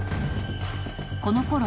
［このころ